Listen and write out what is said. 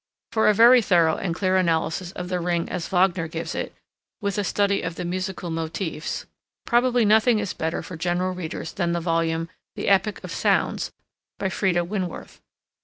For a very thorough and clear analysis of the Ring as Wagner gives it, with a study of the musical motifs, probably nothing is better for general readers than the volume "The Epic of Sounds," by Freda Winworth.